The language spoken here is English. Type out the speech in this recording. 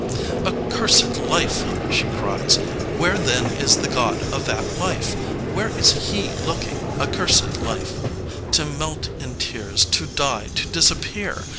Accursed life!" she cries. Where 20 LEONID ANDREYEV then is the God of that life? Where is He looking? Accursed life I To melt in tears, to die, to dis appear!